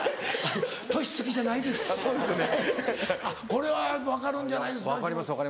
これは分かるんじゃないですか？